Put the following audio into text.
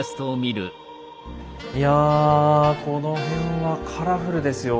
いやこの辺はカラフルですよ。